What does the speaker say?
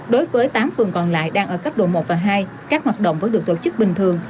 đối với tám phường còn lại đang ở cấp độ một và hai các hoạt động vẫn được tổ chức bình thường